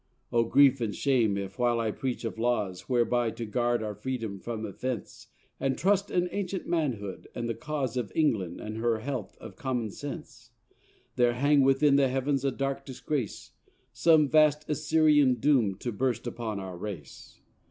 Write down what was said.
O Grief and Shame if while I preach of laws Whereby to guard our Freedom from offence And trust an ancient manhood and the cause Of England and her health of commonsense There hang within the heavens a dark disgrace, Some vast Assyrian doom to burst upon our race.